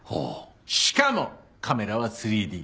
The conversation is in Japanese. しかもカメラは３Ｄ。